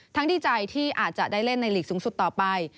ดีใจที่อาจจะได้เล่นในหลีกสูงสุดต่อไป